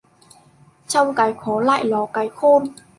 Trong cái khó lại ló cái khôn.